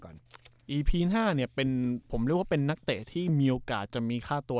อีพีห้าเนี่ยเป็นผมเรียกว่าเป็นนักเตะที่มีโอกาสจะมีค่าตัว